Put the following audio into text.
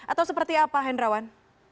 atau seperti apa hendrawan